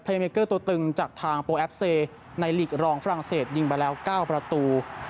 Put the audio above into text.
เมเกอร์ตัวตึงจากทางโปรแอฟเซในหลีกรองฝรั่งเศสยิงไปแล้ว๙ประตู